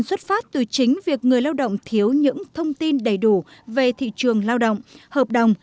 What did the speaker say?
xuất phát từ chính việc người lao động thiếu những thông tin đầy đủ về thị trường lao động hợp đồng